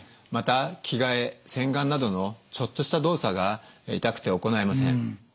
また着替え洗顔などのちょっとした動作が痛くて行えません。